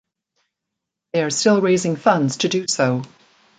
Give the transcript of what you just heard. They are still raising funds to do so.